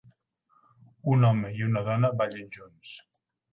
Un home i una dona ballen junts.